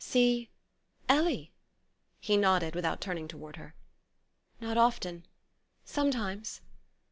"See Ellie?" He nodded, without turning toward her. "Not often... sometimes...."